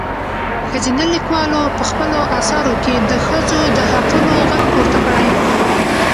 ښځينه لیکوالو په خپلو اثارو کې د ښځو د حقونو غږ پورته کړی.